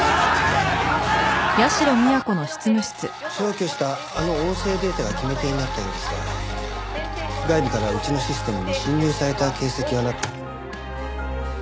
消去したあの音声データが決め手になったようですが外部からうちのシステムに侵入された形跡はなく。